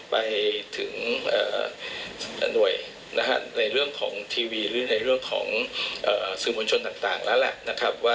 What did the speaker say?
ไปถึงหน่วยในเรื่องของทีวีหรือในเรื่องของสื่อมวลชนต่างแล้วแหละนะครับว่า